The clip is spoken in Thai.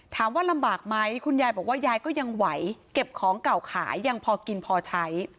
ถามว่าลำบากไหมคุณยายบอกว่ายายก็ยังไหวเก็บของเก่าขายยังพอกินพอใช้